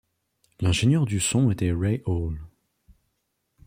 L'ingénieur du son était Ray Hall.